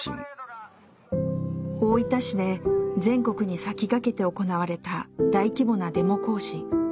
大分市で全国に先駆けて行われた大規模なデモ行進。